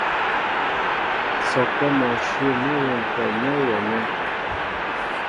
Sɔkɛ́ mɔ ǹshyə̂ mɔ́ a wômpɛ nɛ́ wɔ nɛ̂.